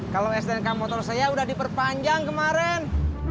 kalau ssk motor saya udah diperpanjang kemaren